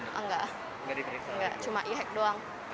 enggak cuma e hack doang